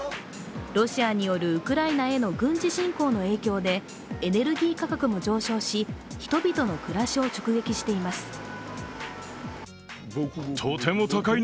ロシアによるウクライナへの軍事侵攻の影響でエネルギー価格も上昇し、人々の暮らしを直撃しています。